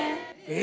え？